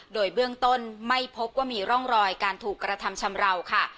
โดยเบื้องต้นไม่พบว่ามีร่องรอยการถูกกระทำชำราวค่ะ